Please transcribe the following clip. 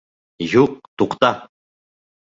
Юҡ, туҡта!